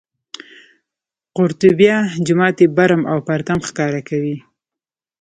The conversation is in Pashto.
قورطیبه جومات یې برم او پرتم ښکاره کوي.